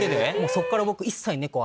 そっから僕。